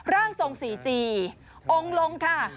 ร่างทรงศรีจีองค์ลงค่ะ